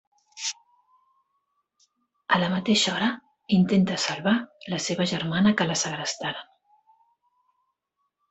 A la mateixa hora, intenta salvar la seva germana que la segrestaren.